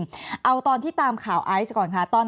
แอนตาซินเยลโรคกระเพาะอาหารท้องอืดจุกเสียดแสบร้อน